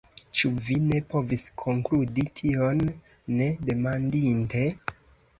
« Ĉu vi ne povis konkludi tion, ne demandinte?"